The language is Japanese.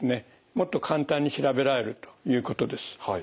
もっと簡単に調べられるということです。